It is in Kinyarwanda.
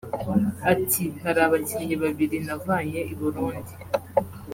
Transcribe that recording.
Ati“Hari abakinnyi babiri navanye i Burundi